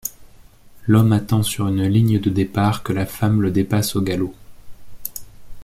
L'homme attend sur une ligne de départ que la femme le dépasse au galop.